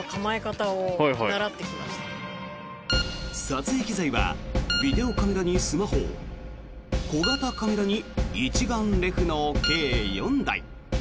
撮影機材はビデオカメラにスマホ小型カメラに一眼レフの計４台。